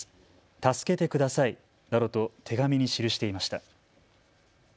助けて下さいなどと手紙に記していました。